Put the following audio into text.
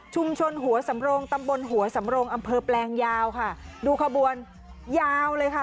หัวสำรงตำบลหัวสำรงอำเภอแปลงยาวค่ะดูขบวนยาวเลยค่ะ